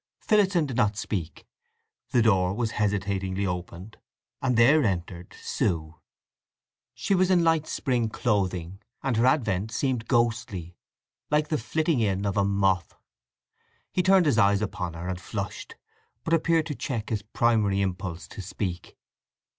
Phillotson did not speak; the door was hesitatingly opened, and there entered—Sue. She was in light spring clothing, and her advent seemed ghostly—like the flitting in of a moth. He turned his eyes upon her, and flushed; but appeared to check his primary impulse to speak.